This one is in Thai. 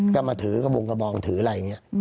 ก็มาถือกระบงกระบองถืออะไรอย่างนี้